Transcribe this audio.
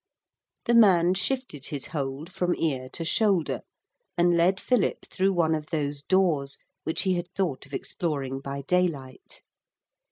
The man shifted his hold from ear to shoulder and led Philip through one of those doors which he had thought of exploring by daylight.